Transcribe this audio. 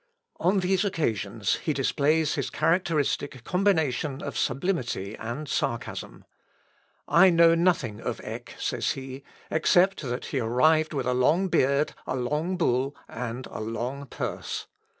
On these occasions he displays his characteristic combination of sublimity and sarcasm. "I know nothing of Eck," says he, "except that he arrived with a long beard, a long bull, and a long purse....